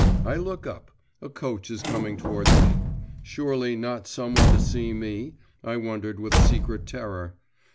I look up; a coach is coming towards me. Surely not some one to see me, I wondered with secret terror.